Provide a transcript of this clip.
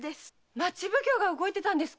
町奉行が動いてたんですか